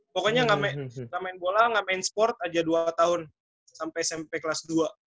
pokoknya gak main bola gak main sport aja dua tahun sampai smp kelas dua